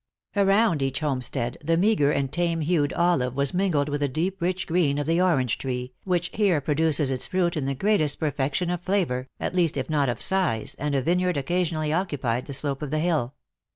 Around each homestead the meagre and tame hued olive was min gled with the deep rich green of the orange tree, which here produces its fruit in the greatest perfec tion of flavor, at least, if not of size, and a vineyard occasionally occupied the slope of the hill.